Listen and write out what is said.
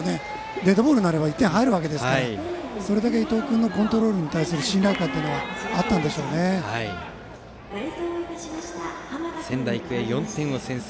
デッドボールになれば１点入るわけですからそれだけ伊藤君のコントロールに対する仙台育英は４点を先制。